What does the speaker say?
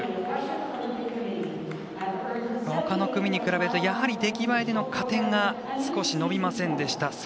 ほかの組に比べるとやはり出来栄えでの加点が少し伸びませんでした。